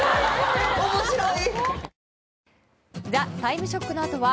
面白い！